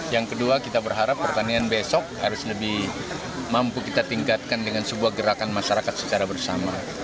yang kedua kita berharap pertanian besok harus lebih mampu kita tingkatkan dengan sebuah gerakan masyarakat secara bersama